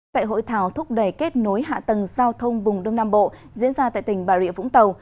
tại hội thảo thúc đẩy kết nối hạ tầng giao thông vùng đông nam bộ diễn ra tại tỉnh bà rịa vũng tàu